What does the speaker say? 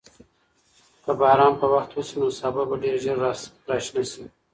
که باران په وخت وشي، نو سابه به ډېر ژر راشنه شي.